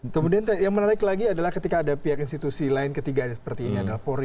kemudian yang menarik lagi adalah ketika ada pihak institusi lain ketiga seperti ini adalah polri